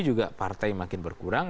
juga partai makin berkurang